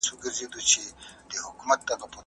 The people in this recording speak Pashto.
ايا حضوري تدريس د فوري تمرین اصلاح امکان لري؟